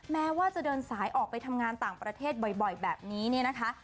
แม้ว่าจะเดินสายออกไปทำงานต่างประเทศบ่อยแบบนี้เนี่ยนะคะ